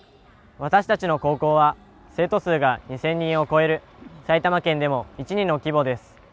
私たちの高校は生徒数が２０００人を超える埼玉県でも１、２の規模です。